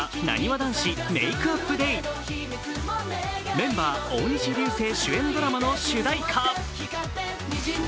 メンバー・大西流星主演ドラマの主題歌。